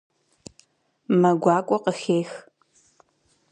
Мэ гуакӏуэ къыхех.